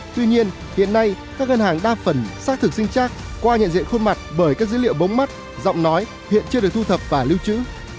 tuy nhiên hiện nay các ngân hàng đa phần xác thực sinh trác qua nhận diện khuôn mặt bởi các dữ liệu mống mắt giọng nói hiện chưa được thu thập và lưu trữ